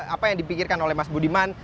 apa yang dipikirkan oleh mas budiman